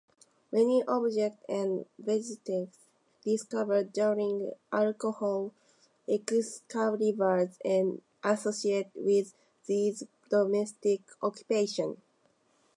Many objects and vestiges discovered during archaeological excavations are associated with these domestic occupations.